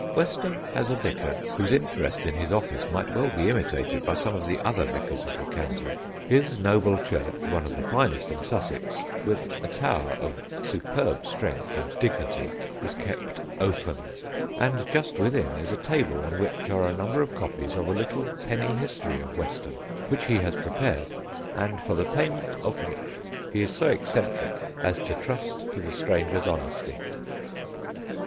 Westham has a vicar whose interest in his office might well be imitated by some of the other vicars of the county. His noble church, one of the finest in Sussex, with a tower of superb strength and dignity, is kept open, and just within is a table on which are a number of copies of a little penny history of Westham which he has prepared, and for the payment of which he is so eccentric as to trust to the stranger's honesty.